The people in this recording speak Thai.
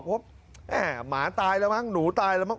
แม่หมาตายแล้วมั้งหนูตายแล้วมั้